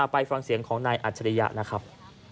ไปฟังเสียงของนายอัจฉริยะนะครับ